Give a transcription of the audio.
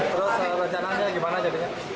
terus rencananya gimana jadinya